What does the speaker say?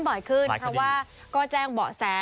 เพราะว่าก็แจ้งเบาะแส